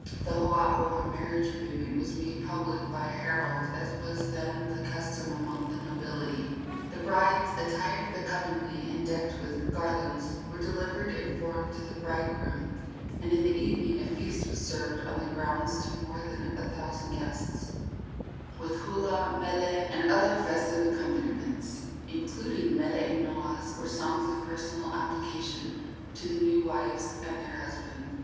The hoao, or marriage agreement, was made public by a herald, as was then the custom among the nobility; the brides, attired becomingly and decked with garlands, were delivered in form to the bride groom, and in the evening a feast was served on the grounds to more than a thousand guests, with hula, mele, and other festive accompaniments, including mele inoas, or songs of personal application to the new wives and their husband.